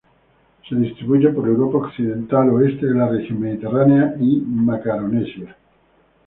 Se distribuye por Europa occidental, oeste de la Región mediterránea y Macaronesia.